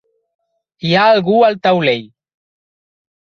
Hi ha algú al taulell.